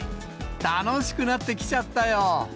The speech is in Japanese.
楽しくなってきちゃったよ。